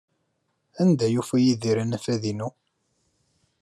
Anda ay yufa Yidir anafad-inu?